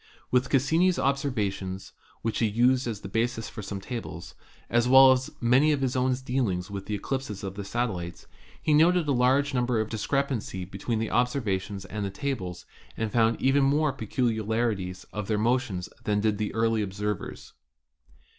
With Cassini's observations, which he used as the basis for some tables, as well as many of his own dealing with the eclipses of the satel lites, he noted a large number of discrepancies between the observations and the tables, and found even more pecu liarities in their motions than did the early observers.